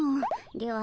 では